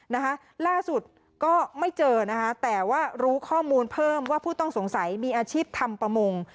นะคะล่าสุดก็ไม่เจอนะคะแต่ว่ารู้ข้อมูลเพิ่มว่าผู้ต้องสงสัยมีอาชีพทำประมง